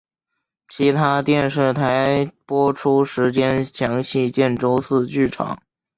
其他电视台播出时间详见周四剧场。